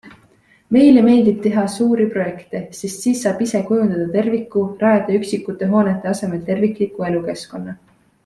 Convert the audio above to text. Meile meeldib teha suuri projekte, sest siis saab ise kujundada terviku, rajada üksikute hoonete asemel tervikliku elukeskkonna.